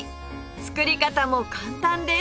作り方も簡単です！